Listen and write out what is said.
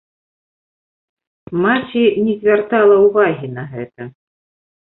Маці не звяртала ўвагі на гэта.